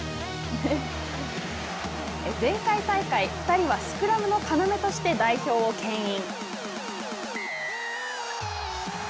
前回大会、２人はスクラムのかなめとして、代表をけん引。